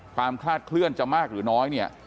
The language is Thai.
ความคลาดเคลื่อนจะมากหรือน้อย